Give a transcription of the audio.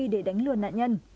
để đánh lừa nạn nhân